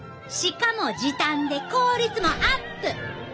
しかも時短で効率もアップ！